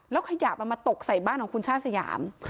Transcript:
ขยะมันมาตกใส่บ้านของคุณชาติสยาม